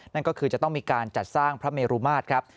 นั่นก็คือจะต้องมีการจัดสร้างพระเมรุมาตรครับ